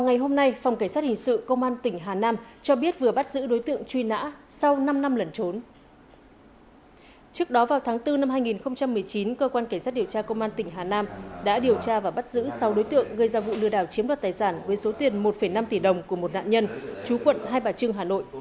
trước đó vào tháng bốn năm hai nghìn một mươi chín cơ quan cảnh sát điều tra công an tỉnh hà nam đã điều tra và bắt giữ sáu đối tượng gây ra vụ lừa đảo chiếm đoạt tài sản với số tiền một năm tỷ đồng của một nạn nhân chú quận hai bà trưng hà nội